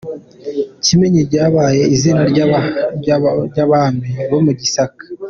Kimenyi ryabaye izina ry’abami bo mu Gisaka.